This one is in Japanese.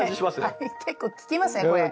結構効きますねこれ。